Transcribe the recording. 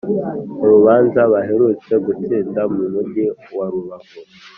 Urubanza baherutse gutsinda mu mugi wa Rubavu